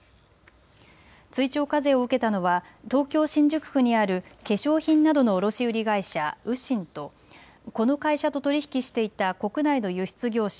追徴課税を受けたのは東京新宿区にある化粧品などの卸売り会社、雨辰とこの会社と取り引きしていた国内の輸出業者